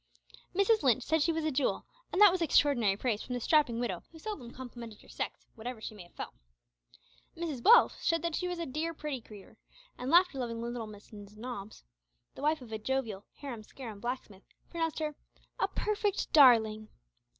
Mrs Lynch said she was a jewel, and that was extraordinary praise from the strapping widow, who seldom complimented her sex, whatever she may have felt. Mrs Welsh said she was a "dear, pritty creetur'," and laughter loving little Mrs Nobbs, the wife of a jovial harum scarum blacksmith, pronounced her a "perfect darling."